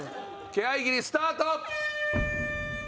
気配斬りスタート！